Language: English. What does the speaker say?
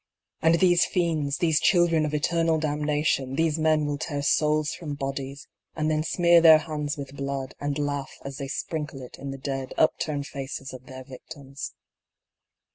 And these fiends, these children of eternal damnation, these men will tear souls from bodies, and then smear their hands with blood, and laugh as they sprinkle it in the dead up turned faces of their victims.